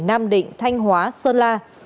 nam định thanh hóa sơn la